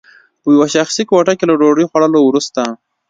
په یوه شخصي کوټه کې له ډوډۍ خوړلو وروسته